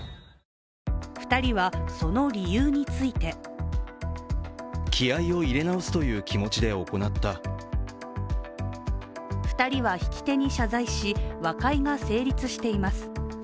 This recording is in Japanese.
２人は、その理由について２人はひき手に謝罪し、和解が成立しています。